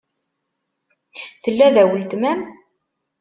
Tella da weltma-m?